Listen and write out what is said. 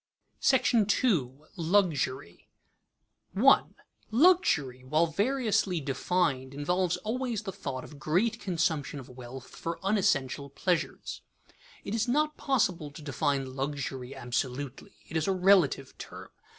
§ II. LUXURY [Sidenote: Luxury defined] 1. Luxury, while variously defined, involves always the thought of great consumption of wealth for unessential pleasures. It is not possible to define luxury absolutely; it is a relative term.